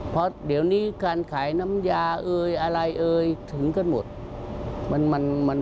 เพราะเดี๋ยวนี้การขายน้ำยาอะไรถึงกันหมด